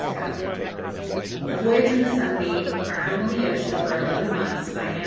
A VOYAGE IN THE 'SUNBEAM' Our Home on fhe Ocean for Eleven Months by MRS.